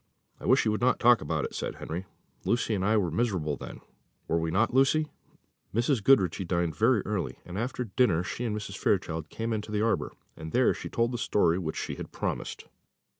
"I wish you would not talk about it," said Henry; "Lucy and I were miserable then; were not we, Lucy?" Mrs. Goodriche dined very early, and after dinner she and Mrs. Fairchild came into the arbour, and there she told the story which she had promised.